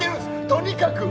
とにかく。